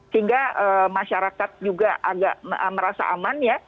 sehingga masyarakat juga agak merasa aman ya